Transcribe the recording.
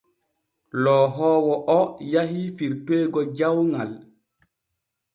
Lohoowo o yahi firtoygo jawŋal.